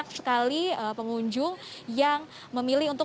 suasana di taman mini indonesia indah